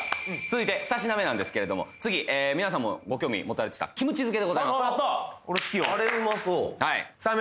続いて２品目なんですけれども次皆さんもご興味持たれてたやったあれうまそうさあ